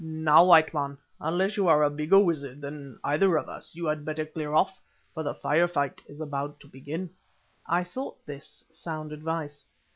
"Now, white man, unless you are a bigger wizard than either of us you had better clear off, for the fire fight is about to begin." I thought this sound advice.